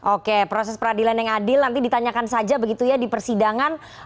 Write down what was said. oke proses peradilan yang adil nanti ditanyakan saja begitu ya di persidangan